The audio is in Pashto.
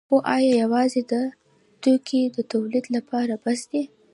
خو ایا یوازې دا توکي د تولید لپاره بس دي؟